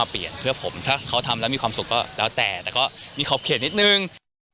เปลี่ยนเพื่อผมถ้าเขาทำแล้วมีความสุขก็แล้วแต่แต่ก็มีขอบเขตนิดนึง